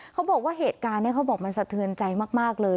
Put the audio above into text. เขาบอกว่าเหตุการณ์นี้เขาบอกมันสะเทือนใจมากเลย